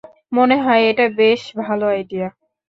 মনে হয় এটা বেশ ভালো আইডিয়া।